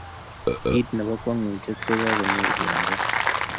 Kit nebo kwangutiet ko ka konyorwa ra